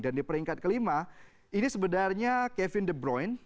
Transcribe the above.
dan di peringkat kelima ini sebenarnya kevin debruyne